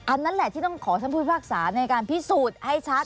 อันนั้นแหละที่ต้องขอท่านผู้พิพากษาในการพิสูจน์ให้ชัด